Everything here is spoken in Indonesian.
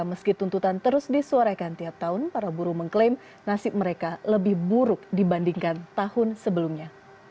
meski tuntutan terus disuarakan tiap tahun para buruh mengklaim nasib mereka lebih buruk dibandingkan tahun sebelumnya